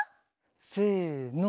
せの。